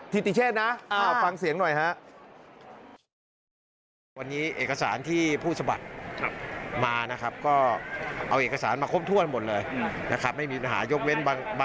ที่ติเช่นนะฟังเสียงหน่อยครับ